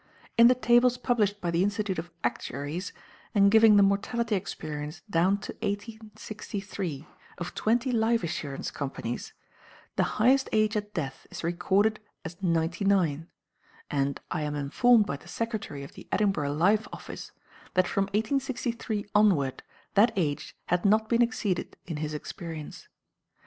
In the tables published by the Institute of Actuaries, and giving the mortality experience down to 1863 of twenty life assurance companies, the highest age at death is recorded as ninety nine; and I am informed by the secretary of the Edinburgh Life Office that from 1863 onward that age had not been exceeded in his experience.